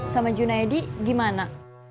sama junedi gimana